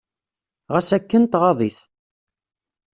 Ɣas akken, tɣaḍ-it.